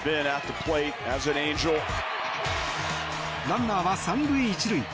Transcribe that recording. ランナーは３塁１塁。